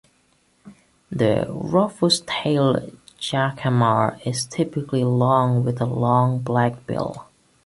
The rufous-tailed jacamar is typically long with a long black bill.